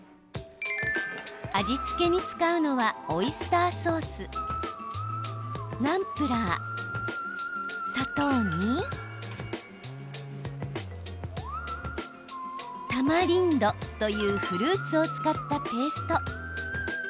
味付けに使うのはオイスターソースナムプラー、砂糖にタマリンドというフルーツを使ったペースト。